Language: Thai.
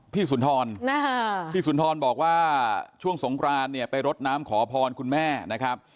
สุนทรพี่สุนทรบอกว่าช่วงสงครานเนี่ยไปรดน้ำขอพรคุณแม่นะครับ